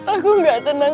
aku gak tenang